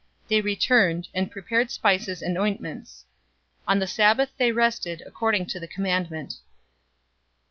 023:056 They returned, and prepared spices and ointments. On the Sabbath they rested according to the commandment.